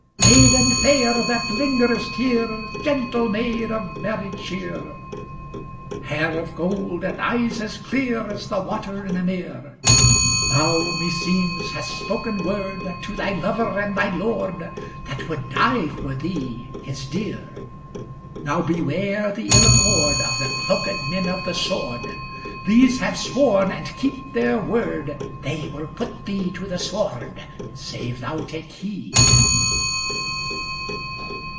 "Maiden fair that lingerest here, Gentle maid of merry cheer, Hair of gold, and eyes as clear As the water in a mere, Thou, meseems, hast spoken word To thy lover and thy lord, That would die for thee, his dear; Now beware the ill accord, Of the cloaked men of the sword, These have sworn and keep their word, They will put thee to the sword Save thou take heed!"